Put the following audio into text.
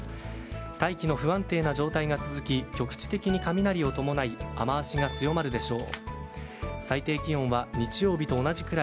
大気の不安定な状態が続き局地的に雷を伴い雨脚が強まるでしょう。